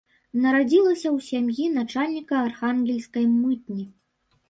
Нарадзілася ў сям'і начальніка архангельскай мытні.